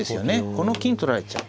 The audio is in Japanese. この金取られちゃう。